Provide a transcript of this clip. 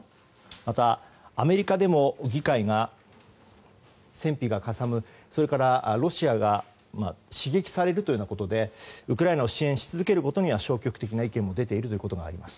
また、アメリカでも議会が、戦費がかさむそれから、ロシアが刺激されるということでウクライナを支援し続けることには消極的な意見も出ているということがあります。